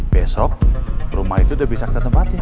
besok rumah itu udah bisa kita tempatin